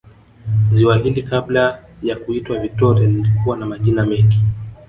Ziwa hili kabla ya kuitwa Victoria lilikuwa na majina mengi